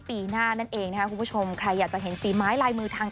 ภาพยนตร์เรื่องนี้นะคะคาดว่าจะใช้ระยะเวลาในการถ่ายธรรมประมาณ๒เดือนเสร็จนะคะ